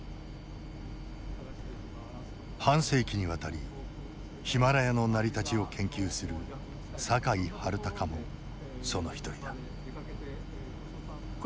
半世紀にわたりヒマラヤの成り立ちを研究する酒井治孝もその一人だ。